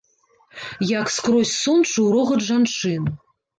Як скрозь сон чуў рогат жанчын.